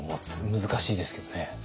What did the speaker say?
難しいですけどね。